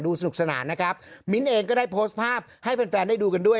สนุกสนานนะครับมิ้นเองก็ได้โพสต์ภาพให้แฟนแฟนได้ดูกันด้วย